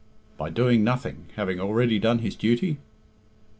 By doing nothing, having already done his duty?